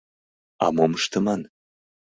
А мом ыштыман?